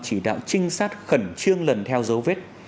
chỉ đạo trinh sát khẩn trương lần theo dấu vết